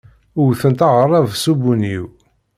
Wtent aɣrab s ubunyiw.